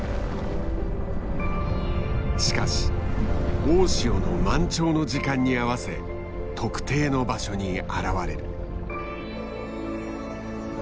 しかし大潮の満潮の時間に合わせ特定の場所に現れる。